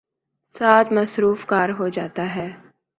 ساتھ ''مصروف کار" ہو جاتا ہے۔